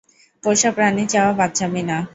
পোষা প্রাণী চাওয়া বাচ্চামি না।